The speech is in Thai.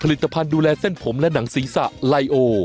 ตอนนั้นข่าวไปลงที่บ้านป๊อกมากี้เนาะ